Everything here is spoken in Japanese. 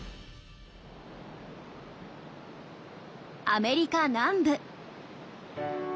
アメリカ南部。